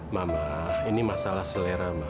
mama ini masalah selera mbak